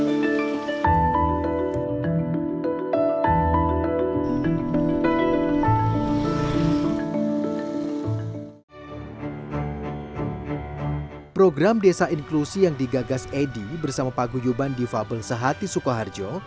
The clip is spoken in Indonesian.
di program desa inklusi yang digagas edy bersama paguyuban difabel sehati sukoharjo